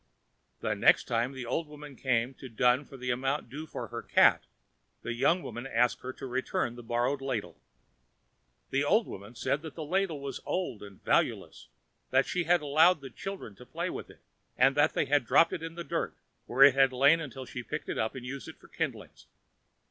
The next time the old woman came to dun for the amount due for her cat, the young woman asked her to return the borrowed ladle. The old woman said that the ladle was old and valueless; that she had allowed the children to play with it, and that they had dropped it in the dirt, where it had lain until she had picked it up and used it for kindlings.